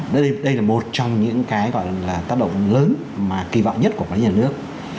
đây là một trong những cái gọi là tác động lớn mà kỳ vọng nhất của các nhà nước